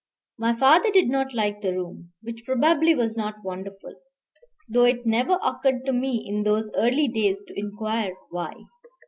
My father did not like the room, which probably was not wonderful, though it never occurred to me in those early days to inquire why.